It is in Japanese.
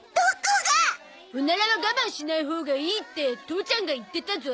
オナラは我慢しないほうがいいって父ちゃんが言ってたゾ。